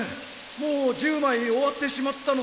もう１０枚終わってしまったので。